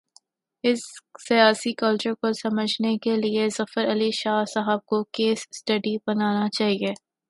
اس سیاسی کلچر کو سمجھنے کے لیے، ظفر علی شاہ صاحب کو "کیس سٹڈی" بنا نا چاہیے۔